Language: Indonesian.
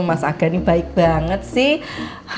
mas aga ini baik banget sih